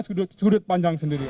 sudut sudut pandang sendiri